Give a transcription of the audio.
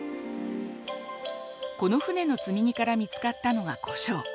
この船の積み荷から見つかったのがこしょう。